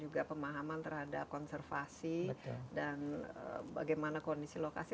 juga pemahaman terhadap konservasi dan bagaimana kondisi lokasi